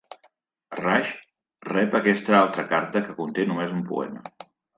Raj rep aquesta altra carta que conté només un poema.